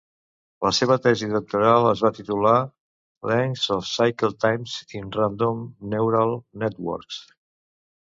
La seva tesi doctoral es va titular "Lengths of Cycle Times in Random Neural Networks".